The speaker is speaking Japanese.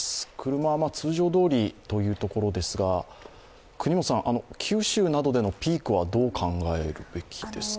車は通常どおりというところですが、九州などでのピークはどう考えるべきですか？